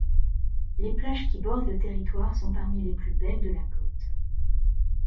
Les plages qui bordent le territoire sont parmi les plus belles de la côte.